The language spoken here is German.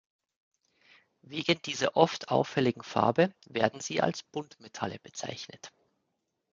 Wegen dieser oft auffälligen Farbe werden sie als Buntmetalle bezeichnet.